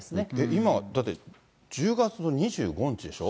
今、だって１０月の２５日でしょ。